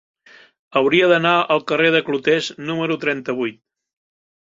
Hauria d'anar al carrer de Clotés número trenta-vuit.